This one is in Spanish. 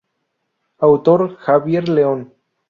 Autor: Xavier León.